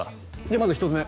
まず１つ目